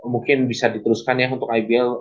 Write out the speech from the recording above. mungkin bisa diteruskan ya untuk ibl